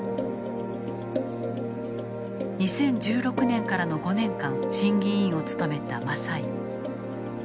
２０１６年からの５年間審議委員を務めた政井。